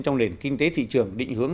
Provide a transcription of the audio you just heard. trong nền kinh tế thị trường định hướng